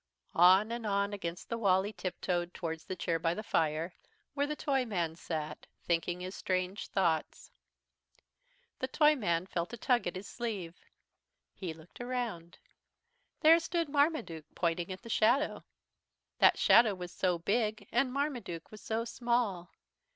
On and on against the wall he tiptoed towards the chair by the fire, where the Toyman sat, thinking his strange thoughts. The Toyman felt a tug at his sleeve. He looked around. There stood Marmaduke, pointing at the shadow. That shadow was so big and Marmaduke was so small.